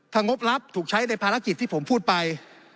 ถ้างบรับถูกใช้ในภารกิจที่ผมพูดไป